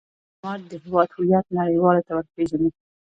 ډيپلومات د هیواد هویت نړېوالو ته ور پېژني.